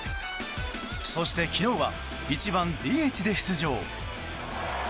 そして昨日は１番ＤＨで出場。